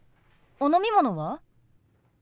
お飲み物は？